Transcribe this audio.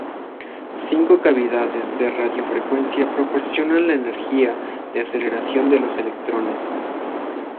Cinco cavidades de radiofrecuencia proporcionan la energía de aceleración a los electrones.